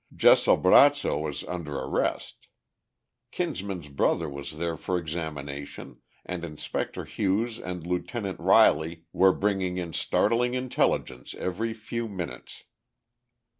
Jess Albrazzo was under arrest. Kinsman's brother was there for examination, and Inspector Hughes and Lieutenant Riley were bringing in startling intelligence every few minutes.